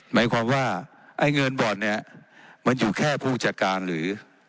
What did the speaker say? หมายความว่าไอ้เงินบ่อนเนี่ยมันอยู่แค่ผู้จัดการหรือ